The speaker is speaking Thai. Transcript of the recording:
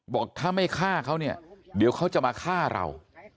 บอกถ้าไม่ฆ่าเขาเนี่ยเดี๋ยวเขาจะมาฆ่าเรา